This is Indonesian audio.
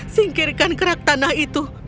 singkirkan krakthana itu